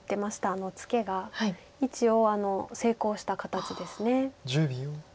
あのツケが一応成功した形です。